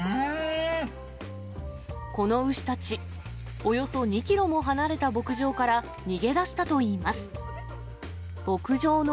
この牛たち、およそ２キロも離れた牧場から逃げ出したといいます。